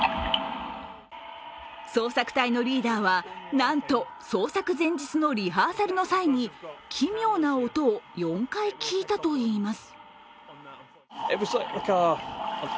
捜索隊のリーダーは、なんと捜索前日のリハーサルの際に奇妙な音を４回、聞いたといいます。